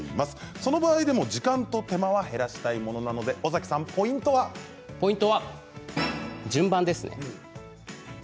その場合でも時間と手間は減らしたいものなのでポイントは順番です。